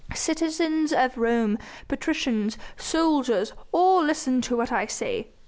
Citizens of Rome, patricians, soldiers, all listen to what I say."